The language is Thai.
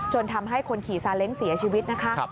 ทำให้คนขี่ซาเล้งเสียชีวิตนะคะ